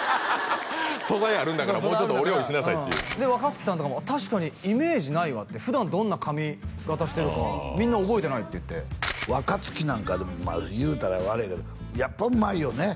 素材あるんだからもうちょっとお料理しなさいっていうで若槻さんとかも確かにイメージないわって普段どんな髪形してるかみんな覚えてないって言って若槻なんかでも言うたら悪いけどやっぱうまいよね